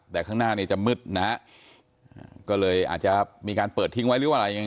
แต่ข้างหน้าเนี่ยจะมืดนะฮะก็เลยอาจจะมีการเปิดทิ้งไว้หรือว่าอะไรยังไง